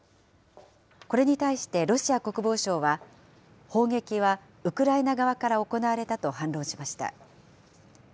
これに対してロシア国防省は、砲撃はウクライナ側から行われたと反論しました。